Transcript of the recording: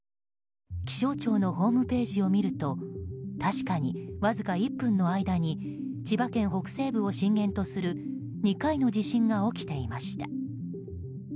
気象庁のホームページを見ると確かに、わずか１分の間に千葉県北西部を震源とする２回の地震が起きていました。